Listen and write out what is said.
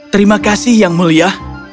terima kasih yang mulia